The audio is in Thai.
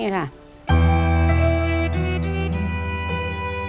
หัวคิงเลย